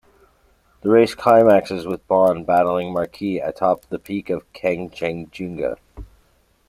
The race climaxes with Bond battling Marquis atop the peak of Kangchenjunga.